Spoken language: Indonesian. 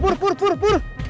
pur pur pur pur